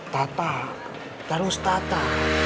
tata terus tata